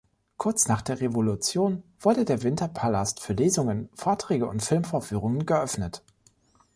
Kurz nach der Revolution wurde der Winterpalast für Lesungen, Vorträge und Filmvorführungen geöffnet.